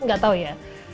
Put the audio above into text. enggak tahu ya